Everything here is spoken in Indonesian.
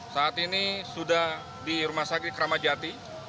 saat ini sudah di rumah sakit ramadjati